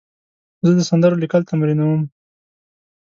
زه د سندرو لیکل تمرینوم.